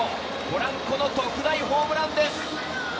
ポランコの特大ホームランです！